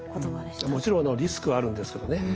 もちろんリスクはあるんですけどね。